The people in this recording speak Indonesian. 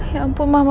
ya ampun mama